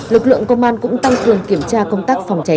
lực lượng công an cũng tăng cường kiểm tra công tác phòng cháy